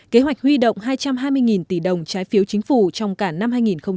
kế hoạch huy động hai trăm hai mươi tỷ đồng trái phiếu chính phủ trong cả năm hai nghìn hai mươi